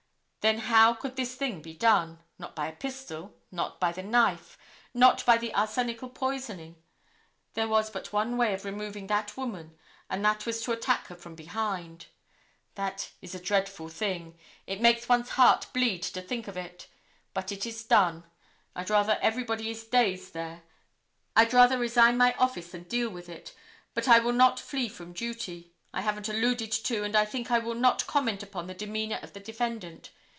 Then how could this thing be done? Not by the pistol, not by the knife, not by arsenical poisoning. There was but one way of removing that woman, and that was to attack her from behind. That is a dreadful thing. It makes one's heart bleed to think of it. But it is done. I'd rather resign my office than deal with it, but I will not flee from duty. I haven't alluded to and I think I will not comment upon the demeanor of the defendant.